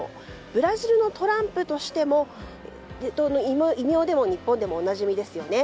ブラジルのトランプの異名で日本でもおなじみですよね。